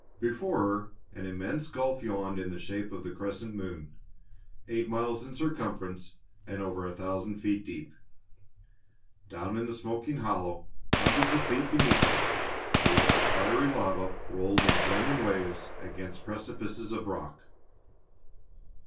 Before her an immense gulf yawned in the shape of the crescent moon, eight miles in circumference and over a thousand feet deep. Down in the smoking hollow, hundreds of feet beneath her, a lake of fiery lava rolled in flaming waves against precipices of rock.